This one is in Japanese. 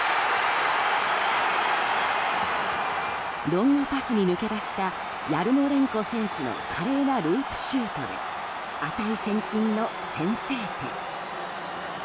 ロングパスに抜け出したヤルモレンコ選手の華麗なループシュートで値千金の先制点。